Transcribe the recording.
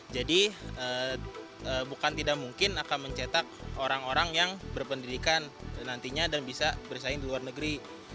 bukan tidak mungkin akan mencetak orang orang yang berpendidikan nantinya dan bisa bersaing di luar negeri